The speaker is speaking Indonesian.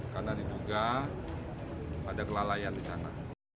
karena diduga ada kelalaian di sana